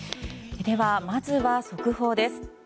まずは速報です。